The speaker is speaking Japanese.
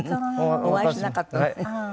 お会いしなかったわね。